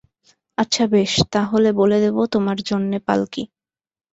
আচ্ছা বেশ, তা হলে বলে দেব তোমার জন্যে পালকি।